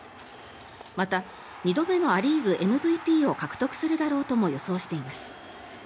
また２度目のア・リーグＭＶＰを獲得するだろうとも予測しています。